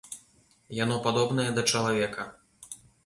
Яно падобнае да чалавека.